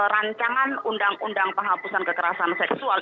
rancangan undang undang penghapusan kekerasan seksual